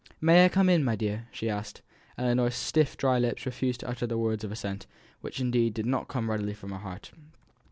"May I come in, my dear?" she asked. Ellinor's stiff dry lips refused to utter the words of assent which indeed did not come readily from her heart.